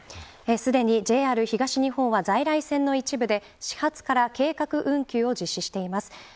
すでにＪＲ東日本は在来線の一部で始発から計画運休を実施しています。